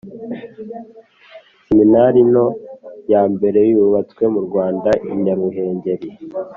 Seminari nto yambere yubatswe mu Rwanda, i Nyaruhengeri